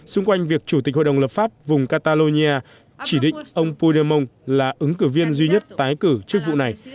xung quanh việc chủ tịch hội đồng lập pháp vùng catalonia chỉ định ông puigdemont là ứng cử viên duy nhất tái cử trước vụ này